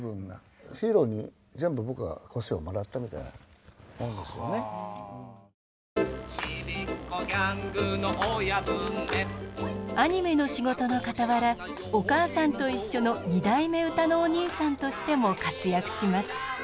地球の歌はおれの歌チビッコギャングの親分でアニメの仕事のかたわら「おかあさんといっしょ」の２代目うたのおにいさんとしても活躍します。